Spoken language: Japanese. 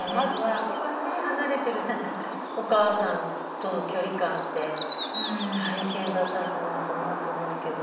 そこがね離れてるお母さんとの距離感って大変だったんじゃないかなと思うけど。